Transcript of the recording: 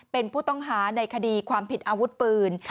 เป็นผู้ต้องหาในคดีความผิดอาวุธปืน